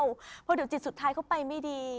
เพราะเดี๋ยวจิตสุดท้ายเขาไปไม่ดี